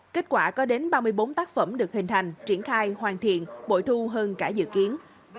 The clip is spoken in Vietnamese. kết quả có đến ba mươi bốn tác phẩm được hình thành triển khai hoàn thiện bội thu hơn cả dự kiến